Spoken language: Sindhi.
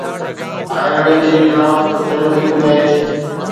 آئرلينڊ جي خلاف صرف هڪ ميچ